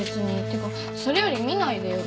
ていうかそれより見ないでよ。